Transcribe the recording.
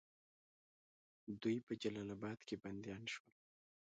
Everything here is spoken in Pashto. دوی په جلال آباد کې بندیان شول.